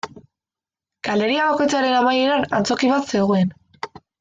Galeria bakoitzaren amaieran, antzoki bat zegoen.